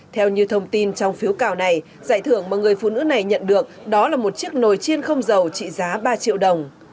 theo như thông tin trong phiếu cào này giải thưởng mà người phụ nữ này nhận được đó là một chiếc nồi chiên không dầu trị giá ba triệu đồng